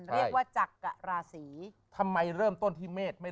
เรียกว่าจักกะราศีทำไมเริ่มต้นที่เมฆไม่